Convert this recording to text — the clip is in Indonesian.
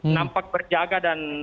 nampak berjaga dan